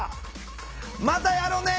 またやろね。